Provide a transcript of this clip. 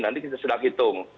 nanti kita sedang hitung